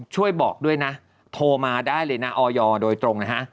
ช่วยบอกด้วยนะโทรมาได้เลยนะออยโดยตรงนะฮะ